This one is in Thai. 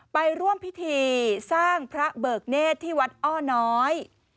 ไปร่วมพิธีสร้างพระเบิกเนธที่วัดอ้อน้อย